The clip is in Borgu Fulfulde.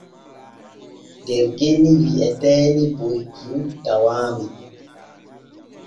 Der genni wi'eteeni Borikiru tawaami.